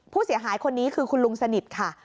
ผู้เสียหายคนนี้คือคุณลุงสนิทค่ะ